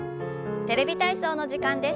「テレビ体操」の時間です。